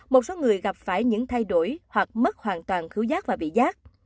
một số người gặp phải những thay đổi hoặc mất hoàn toàn khứ giác và bị giác